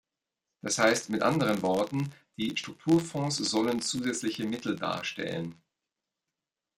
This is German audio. Das heißt mit anderen Worten, die Strukturfonds sollen zusätzliche Mittel darstellen.